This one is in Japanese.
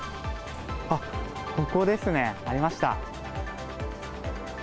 あっ、ここですね、ありました。